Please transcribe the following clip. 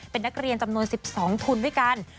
เป็นนักเรียนจำนวน๑๒ทุนด้วยกัน